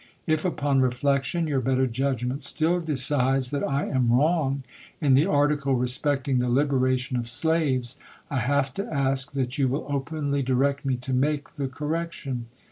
If, upon reflection, your better judgment still decides that I am wrong in the article respecting the liberation of slaves, I have to ask that you will openly direct me to make the correction.